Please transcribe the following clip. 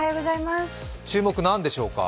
注目何でしょうか？